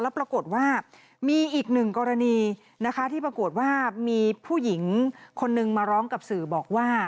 แล้วปรากฏว่ามีอีกหนึ่งกรณีนะคะที่ปรากฏว่ามีผู้หญิงคนนึงมาร้องกับสื่อบอกว่า